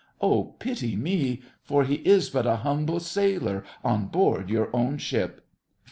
Oh, pity me, for he is but a humble sailor on board your own ship!